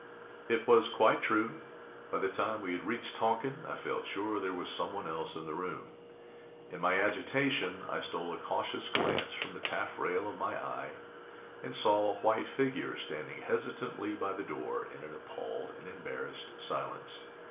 It was quite true. By the time we had reached Tonking, I felt sure there was someone else in the room. In my agitation I stole a cautious glance from the taff rail of my eye and saw a white figure standing hesitantly by the door, in an appalled and embarrassed silence.